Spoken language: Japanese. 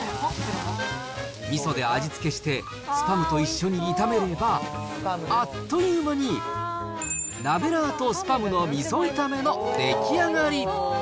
みそで味付けして、スパムと一緒に炒めれば、あっという間に、ナベラーとスパムのみそ炒めの出来上がり。